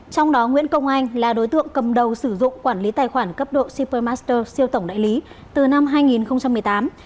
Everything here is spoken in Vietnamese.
trong đó nguyễn công anh là đối tượng cầm đầu sử dụng quản lý tài khoản cấp độ super master siêu tổng đại lý từ năm hai nghìn một mươi tám